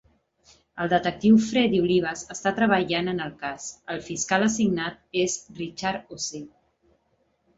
El detectiu Freddy Olivas està treballant en el cas. El fiscal assignat és Richard O'Shea.